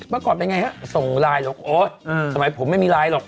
เมื่อก่อนเป็นไงฮะส่งไลน์หรอกโอ๊ยสมัยผมไม่มีไลน์หรอก